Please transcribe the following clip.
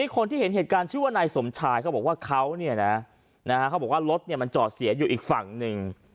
คนที่เห็นเหตุการณ์ชื่อว่านายสมชายเขาบอกว่ารถจอดเสียอยู่อีกฝั่งหนึ่ง